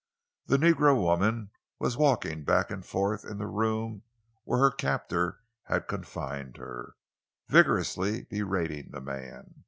The negro woman was walking back and forth in the room where her captor had confined her, vigorously berating the man.